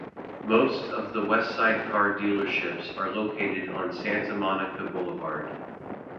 Most of the Westside car dealerships are located on Santa Monica Boulevard.